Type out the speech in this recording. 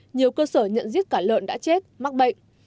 nhiều cơ sở nhận giết cả lợn đã chết mắc bệnh